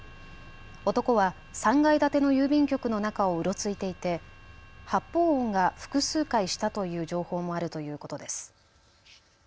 男は３階建ての郵便局の中をうろついていて発砲音が複数回したという情報もあるということです。